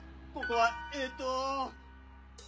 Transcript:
ここはえと。